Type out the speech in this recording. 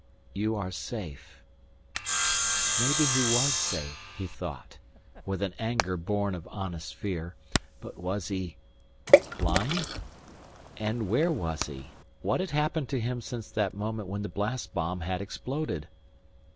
"You are safe." Maybe he was safe, he thought, with an anger born of honest fear, but was he blind? And where was he? What had happened to him since that moment when the blast bomb had exploded?